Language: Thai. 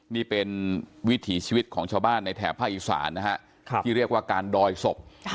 นี่เป็นวิถีชีวิตของชาวบ้านในแถบภาคอีสานนะฮะที่เรียกว่าการดอยศพ